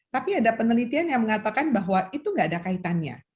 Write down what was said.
tapi ada penelitian yang mengatakan bahwa itu tidak ada kaitannya